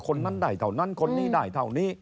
คนนั้นได้เท่านั้นคนนี้ได้เท่านี้